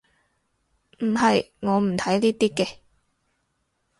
唔係，我唔睇呢啲嘅